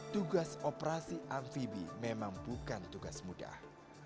tugas operasi amfibi memang bukan tugas mudah